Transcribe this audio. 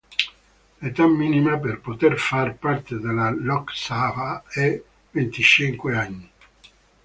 L'età minima per poter far parte della Lok Sabha è venticinque anni.